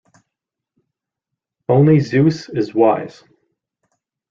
Only Zeus is wise.